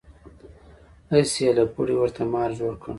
هسې یې له پړي ورته مار جوړ کړ.